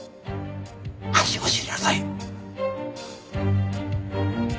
恥を知りなさい。